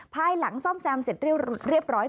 ภายหลังซ่อมแซมเสร็จเรียบร้อย